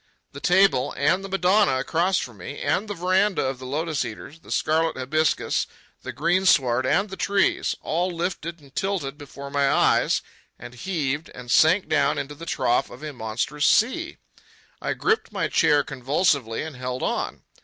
The table, and the Madonna across from me, and the veranda of the lotus eaters, the scarlet hibiscus, the greensward and the trees—all lifted and tilted before my eyes, and heaved and sank down into the trough of a monstrous sea. I gripped my chair convulsively and held on.